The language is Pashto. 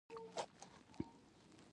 هغه خپل ګاونډیان نه ځورول.